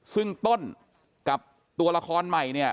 ซึ่งต้นกับตัวละครใหม่เนี่ย